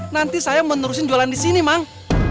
nanti saya menerusin jualan disini mang